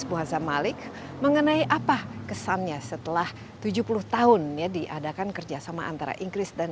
muhazam malik mengenai apa kesannya setelah tujuh puluh tahun ya diadakan kerjasama antara inggris dan